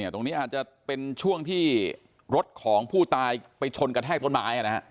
ตรงนี้อาจจะเป็นช่วงที่รถของผู้ตายไปชนกระแทกต้นไม้